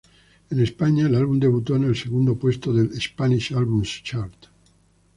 En España el álbum debutó en el segundo puesto del "Spanish Albums Chart".